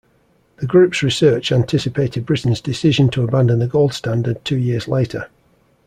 The group's research anticipated Britain's decision to abandon the gold standard two years later.